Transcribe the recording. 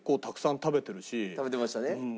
食べてましたね。